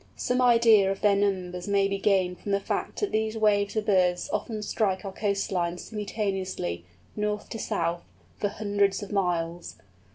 Some idea of their numbers may be gained from the fact that these waves of birds often strike our coast line simultaneously, north to south, for hundreds of miles.